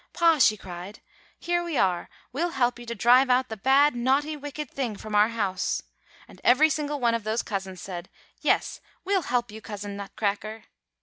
'Pa,' she cried, 'here we are we'll help you to drive out the bad, naughty, wicked thing from our house.' "And every single one of those cousins said, 'Yes, we'll help you, Cousin Nutcracker.